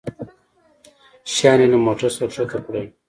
شيان يې له موټرڅخه کښته کړل.